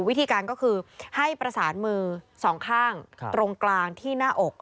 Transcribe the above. วิธีการก็คือให้ประสานมือสองข้างตรงกลางที่หน้าอก